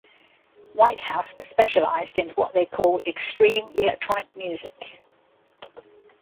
Whitehouse specialised in what they call "extreme electronic music".